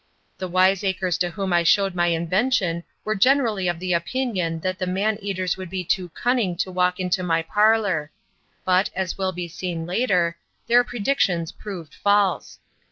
The wiseacres to whom I showed my invention were generally of the opinion that the man eaters would be too cunning to walk into my parlour; but, as will be seen later, their predictions proved false.